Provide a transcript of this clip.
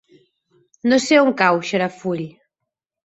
No sé on cau Xarafull.